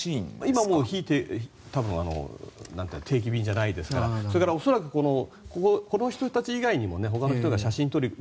今は定期便じゃないですからそれから、恐らくこの人たち以外にもほかの人が写真を撮りに来る。